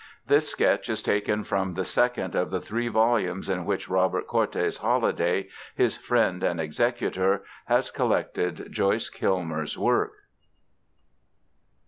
This sketch is taken from the second of the three volumes in which Robert Cortes Holliday, his friend and executor, has collected Joyce Kilmer's work.